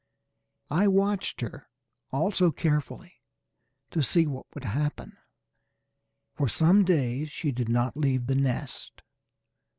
I watched her also carefully to see what would happen. For some days she did not leave the nest.